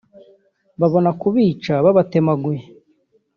babona kubica babatmaguye